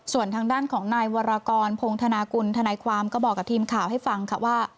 ส่วนทางด้านของนายวรกรพงธนากุลทนายความก็บอกกับทีมข่าวให้ฟังค่ะว่า